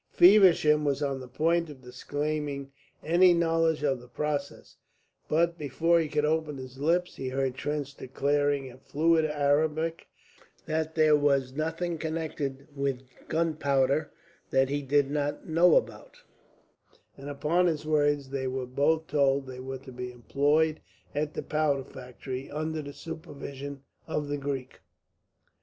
Feversham was on the point of disclaiming any knowledge of the process, but before he could open his lips he heard Trench declaring in fluent Arabic that there was nothing connected with gunpowder which he did not know about; and upon his words they were both told they were to be employed at the powder factory under the supervision of the Greek.